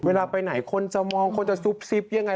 เวลาไปไหนคนจะมองคนจะซุบซิบยังไง